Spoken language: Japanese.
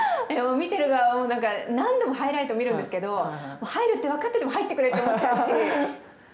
見ている側は、何度もハイライト見るんですけど、入るって分かってても入れって思っちゃうし。